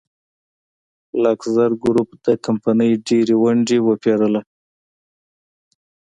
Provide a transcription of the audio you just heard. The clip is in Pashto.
لاکزر ګروپ د کمپنۍ ډېرې ونډې وپېرله.